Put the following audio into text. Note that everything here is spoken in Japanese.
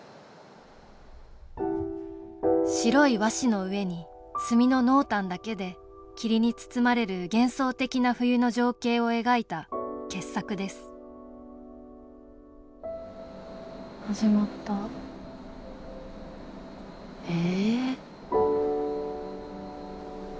白い和紙の上に墨の濃淡だけで霧に包まれる幻想的な冬の情景を描いた傑作ですへえ。